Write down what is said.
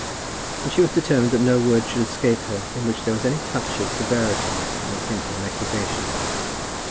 And she was determined that no word should escape her in which there was any touch of severity, any hint of an accusation.